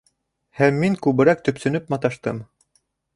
Һәм мин күберәк төпсөнөп маташтым: